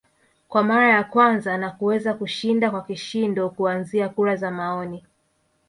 kwa mara ya kwanza na kuweza kushinda kwa kishindo kuanzia kura za maoni